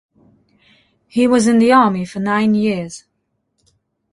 He was in the army for nine years.